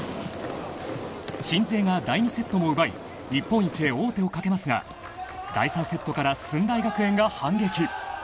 鎮西が第２セットも奪い日本一へ王手をかけますが第３セットから駿台学園が反撃。